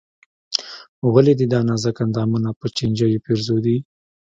ولې دې دا نازک اندامونه په چينجيو پېرزو دي.